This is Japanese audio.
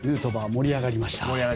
盛り上がりました。